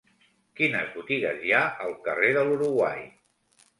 Quines botigues hi ha al carrer de l'Uruguai?